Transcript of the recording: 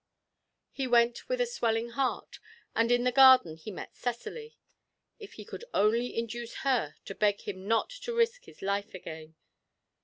He went with a swelling heart, and in the garden he met Cecily. If he could only induce her to beg him not to risk his life again!